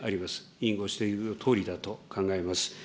委員ご指摘のとおりだと考えます。